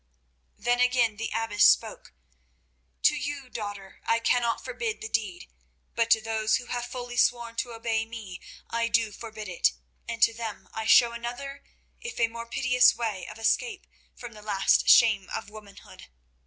Then again the abbess spoke. "To you, daughter, I cannot forbid the deed, but to those who have fully sworn to obey me I do forbid it, and to them I show another if a more piteous way of escape from the last shame of womanhood.